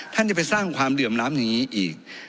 ท่านจะไปสร้างความเหลื่อมล้ำอย่างนี้อีก